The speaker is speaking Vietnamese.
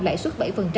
lãi suất bảy